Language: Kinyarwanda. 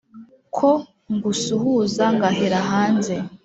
ko ngusuhuza ngahera hanze